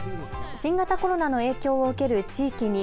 新型コロナの影響を受ける地域に